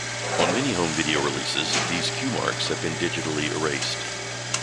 On many home video releases these cue marks have been digitally erased.